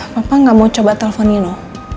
papa enggak mau coba telepon nino